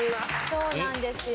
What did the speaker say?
そうなんですよ。